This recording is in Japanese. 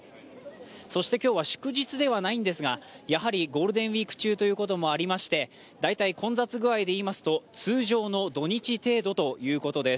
そして今日は祝日ではないんですがやはりゴールデンウイーク中ということもありまして大体、混雑具合でいいますと通常の土日程度ということです。